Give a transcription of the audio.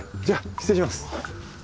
じゃあ失礼します。